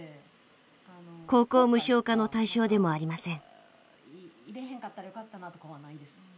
高校無償化の対象でもありません。